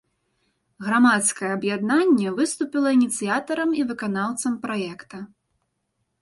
Грамадскае аб'яднанне выступіла ініцыятарам і выканаўцам праекта.